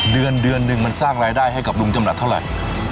เดือนเดือนหนึ่งมันสร้างรายได้ให้กับลุงจำหน่าเท่าไหร่